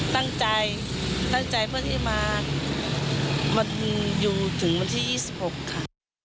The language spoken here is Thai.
ตั้งใจเพราะที่มาอยู่ถึงวันที่๒๖ค่ะ